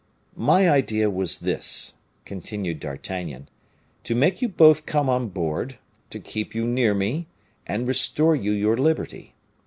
"My idea was this," continued D'Artagnan: "to make you both come on board, to keep you near me, and restore you your liberty.